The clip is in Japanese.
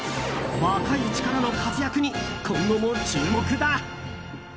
若い力の活躍に今後も注目だ。